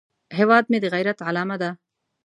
هیواد مې د غیرت علامه ده